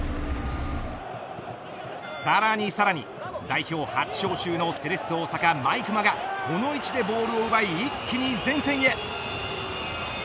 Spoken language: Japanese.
さらにさらに、代表初招集のセレッソ大阪、毎熊がこの位置でボールを奪い一気に前線へ。